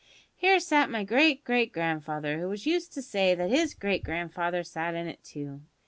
Here sat my great great grandfather, who was used to say that his great grandfather sat in it too.